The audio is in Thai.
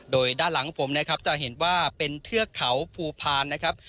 โดยด้านหลังของผมนะครับจะเห็นว่าเป็นเทือกเขาภูพานนะครับ